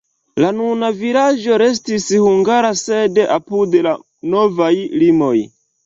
La nuna vilaĝo restis hungara, sed apud la novaj limoj.